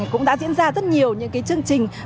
cũng đã diễn ra rất nhiều những chương trình